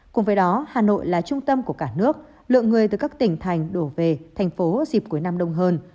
cùng với đó hà nội là trung tâm của cả nước lượng người từ các tỉnh thành đổ về thành phố dịp cuối năm đông hơn